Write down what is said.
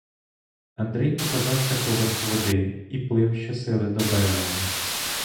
Андрій показався поверх води і плив щосили до берега.